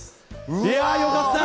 いや、よかった！